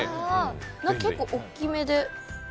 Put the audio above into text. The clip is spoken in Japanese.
結構、おっきめで。